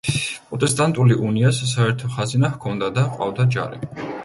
პროტესტანტული უნიას საერთო ხაზინა ჰქონდა და ჰყავდა ჯარი.